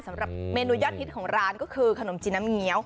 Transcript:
สำหรับเมนูยอดฮิตของร้านก็คือขนมจีนน้ำเงี้ยว